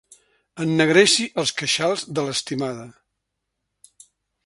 Ennegreixi els queixals de l'estimada.